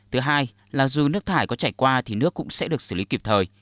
thứ hai là dù nước thải có chảy qua thì nước cũng sẽ được xử lý kịp thời